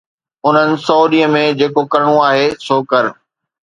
انهن سؤ ڏينهن ۾ جيڪو ڪرڻو آهي سو ڪر.